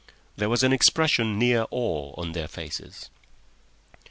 There was an expression near awe on their faces.